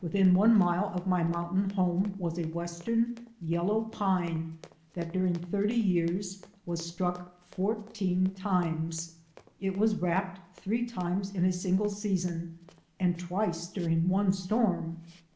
Within one mile of my mountain home was a western yellow pine that during thirty years was struck fourteen times. 122 LIGHTNING AND THUNDER 123 It was rapped three times in a single season and twice during one storm.